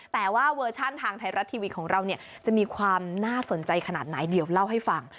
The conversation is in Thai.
แต่ว่าเวอร์ชันทางไทยรัฐทีวีของเราจะมีความน่าสนใจขนาดไหนเดี๋ยวเล่าให้ฟัง